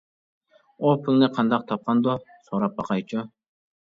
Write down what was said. ئۇ پۇلنى قانداق تاپقاندۇ؟ سوراپ باقايچۇ.